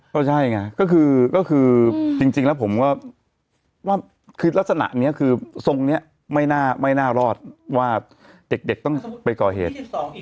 ก็ใช่ไงก็คือจริงแล้วผมก็ว่าคือลักษณะนี้คือทรงนี้ไม่น่ารอดว่าเด็กต้องไปก่อเหตุ